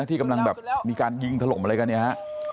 ที่กำลังแบบมีการยิงถล่มอะไรกันเนี่ยฮะ